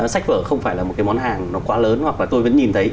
sách vở không phải là một cái món hàng nó quá lớn hoặc là tôi vẫn nhìn thấy